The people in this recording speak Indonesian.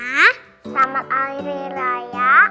selamat hari raya